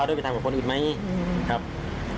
แล้วทำท่าเหมือนลบรถหนีไปเลย